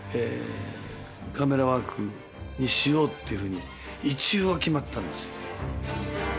カメラワークにしようっていうふうに一応は決まったんですよ。